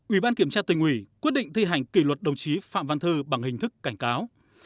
ủy ban kiểm tra tình ủy quyết định thi hành kỷ luật đồng chí phạm văn thư bằng hình thức cảnh cáo